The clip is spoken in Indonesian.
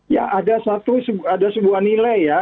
ya ada sebuah nilai ya